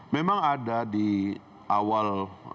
memang ada di awal